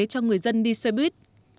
cho người dân đi xe buýt